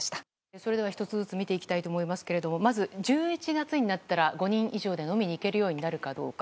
それでは１つずつ見ていきたいと思いますけれどもまず、１１月になったら５人以上で飲みに行けるようになるかどうか。